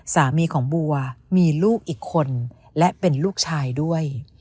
สามีของบัวมีลูกอีกคนและเป็นลูกชายด้วย